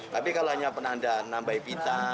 tapi kalau hanya penanda nambah pita